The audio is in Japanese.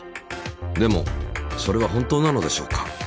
でもそれは本当なのでしょうか。